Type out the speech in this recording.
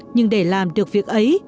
nhưng để làm được việc ấy